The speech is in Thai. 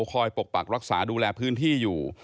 ปกปักรักษาดูแลพื้นที่อยู่